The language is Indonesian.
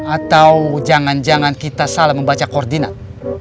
atau jangan jangan kita salah membaca koordinat